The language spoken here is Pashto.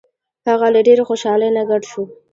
هغه له ډیرې خوشحالۍ نه ګډ شو.